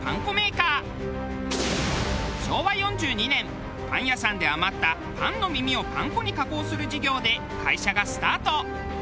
昭和４２年パン屋さんで余ったパンの耳をパン粉に加工する事業で会社がスタート。